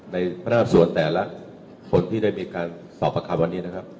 พนักงานส่วนแต่ละคนที่ได้มีการสอบประคำวันนี้นะครับ